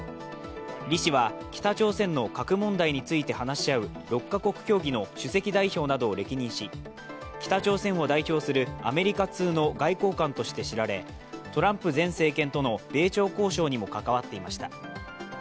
リ氏は北朝鮮の核問題について話し合う６か国協議の首席代表などを歴任し北朝鮮を代表するアメリカ通の外交官として知られトランプ前政権との米朝交渉にも関わっていました。